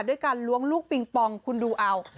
ด้วยการล้วงลูกปิงปองคุณดูเอา